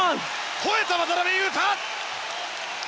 吠えた渡邊雄太！